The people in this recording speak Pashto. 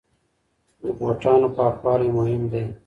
د بوټانو پاکوالی مهم دی.